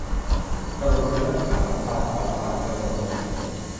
สรุปเนื้อหา ภาษาศาสตร์เชิงคำนวณ